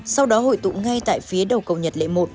sau đó hội tụ ngay tại phía đầu cầu nhật lễ một